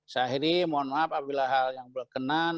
saya ini mohon maaf apabila hal yang berkenan